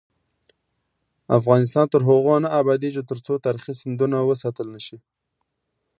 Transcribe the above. افغانستان تر هغو نه ابادیږي، ترڅو تاریخي سندونه وساتل نشي.